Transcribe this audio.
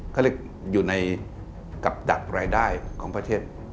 เขาเรียกอยู่ในกำจัดรายได้ของประเทศ